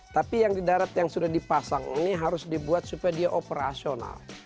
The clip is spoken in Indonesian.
tapi yang di darat yang sudah dipasang ini harus dibuat supaya dia operasional